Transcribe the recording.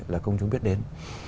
là công chúng biết đến